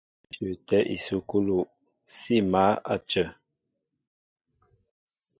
Nɛ́ ní shyəətɛ́ ísukúlu, sí mǎl sí a cə.